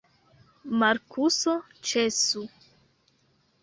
Markuso, ĉesu!